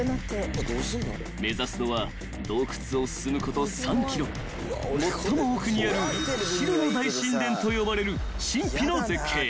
［目指すのは洞窟を進むこと３ｋｍ最も奥にある白の大神殿と呼ばれる神秘の絶景］